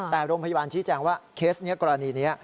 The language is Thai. แต่โรงพยาบาลชี้แจงว่าเคสนี้กรณีนี้